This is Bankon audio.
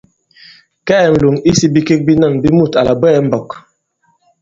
Kɛɛ ǹlòŋ isī bikek binân bi mût à làkweē i m̀mbɔk.